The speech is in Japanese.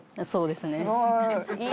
すごい。